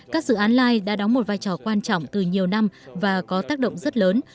các dự án lai đã đóng một vai trò quan trọng từ nhiều năm và có tác động rất lớn